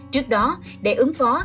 trước đó để ứng phó